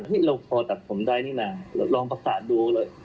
เราพอตัดผมได้นี่นะลองประกาศดูเลย